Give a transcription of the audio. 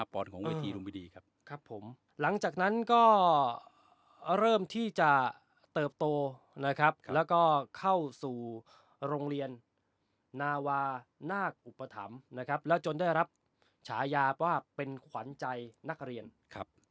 ลุมพิดีครับครับผมหลังจากนั้นก็เริ่มที่จะเติบโตนะครับแล้วก็เข้าสู่โรงเรียนนาวานาคอุปถัมภ์นะครับแล้วจนได้รับฉายาว่าเป็นขวัญใจนักเรียนครับ